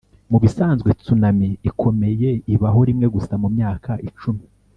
mubisanzwe, tsunami ikomeye ibaho rimwe gusa mumyaka icumi.